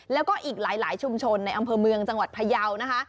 แล้วก็อีกหลายชุมชนในอำเภอเมืองจังหวัดพยาวนะคะ